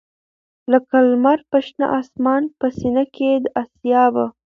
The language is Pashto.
لکه لــــمــر پر شــــنه آســــمـــان په ســــینـه کـــي د آســــــــــیا به